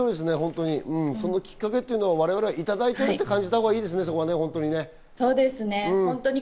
そのきっかけというのを我々はいただいていると感じたほうがいいですね。